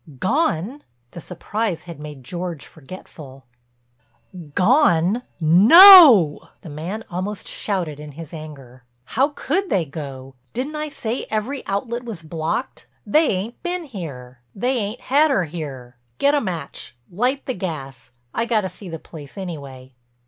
"Gone?" The surprise had made George forgetful. "Gone—no!" The man almost shouted in his anger. "How could they go?—Didn't I say every outlet was blocked. They ain't been here. They ain't had her here. Get a match, light the gas—I got to see the place anyway."